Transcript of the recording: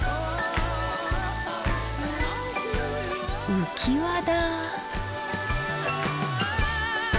浮き輪だ。